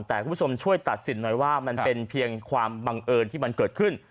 แต่คุณผู้ชมช่วยตัดสินหน่อยว่ามันเป็นเพียงความบังเอิญที่มันเกิดขึ้น